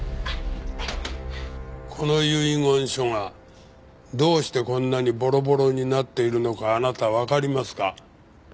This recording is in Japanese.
この遺言書がどうしてこんなにボロボロになっているのかあなたわかりますか？